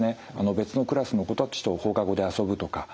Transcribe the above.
別のクラスの子たちと放課後で遊ぶとか。